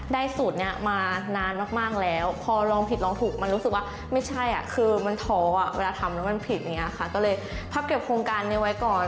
สูตรนี้มานานมากแล้วพอลองผิดลองถูกมันรู้สึกว่าไม่ใช่คือมันท้อเวลาทำแล้วมันผิดอย่างนี้ค่ะก็เลยพับเก็บโครงการนี้ไว้ก่อน